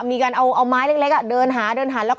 ตรงนี้แหละ